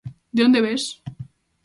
De onde vés?